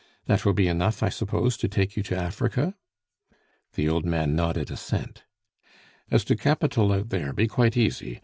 "That will be enough, I suppose, to take you to Africa?" The old man nodded assent. "As to capital out there, be quite easy.